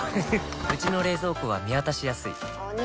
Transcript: うちの冷蔵庫は見渡しやすいお兄！